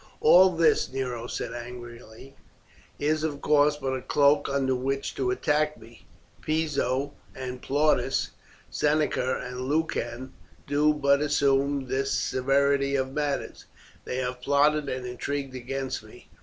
"All this," Nero said angrily, "is of course but a cloak under which to attack me. Piso and Plautus, Seneca and Lucan, do but assume this severity of manners. They have plotted and intrigued against me.